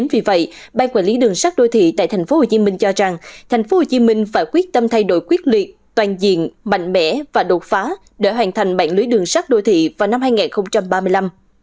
vì vậy ban quản lý đường sắt đô thị tại tp hcm cho rằng tp hcm phải quyết tâm thay đổi quyết liệt toàn diện mạnh mẽ và đột phá để hoàn thành mạng lưới đường sắt đô thị vào năm hai nghìn ba mươi năm